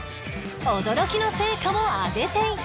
驚きの成果を上げていた！